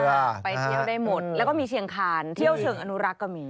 ไปเที่ยวได้หมดแล้วก็มีเชียงคานเที่ยวเชิงอนุรักษ์ก็มี